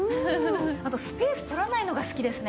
あとスペースとらないのが好きですね。